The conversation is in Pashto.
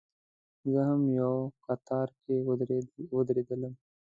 زه هم یو کتار کې ودرېدلم.